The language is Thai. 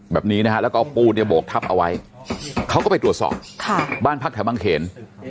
แบบนี้นะฮะแล้วก็เอาปูนเนี่ยโบกทับเอาไว้เขาก็ไปตรวจสอบบ้านพักแถวบางเขน